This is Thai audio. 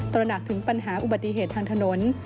ระหนักถึงปัญหาอุบัติเหตุทางถนน